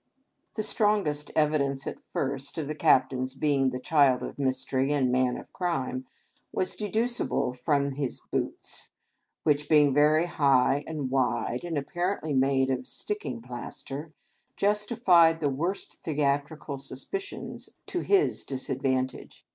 The strongest evidence, at first, of the Captain's being the Child of Mystery and the Man of Crime was deducibie THE AMUSEMENTS OF THE PEOPLE. 163 from his boots, whicli, being very bigh and wide, and ap parently made of stiekiag plaster, justified the worst the atrical suspicions to his disadvantage.